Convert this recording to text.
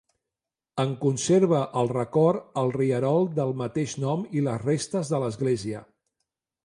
En conserva el record el rierol del mateix nom i les restes de l'església.